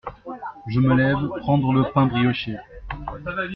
Je me lève prendre le pain brioché.